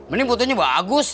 ini fotonya bagus